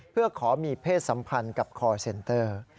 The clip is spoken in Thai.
เพื่อขอมีเพศสัมพันธ์กับคอร์เซนเตอร์